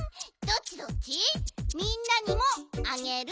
みんなにもあげる？